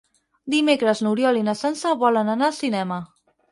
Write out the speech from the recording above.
Dimecres n'Oriol i na Sança volen anar al cinema.